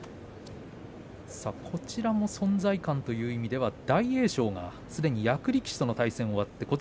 こちらも存在感ということでは大栄翔がすでに役力士との対戦終わっています。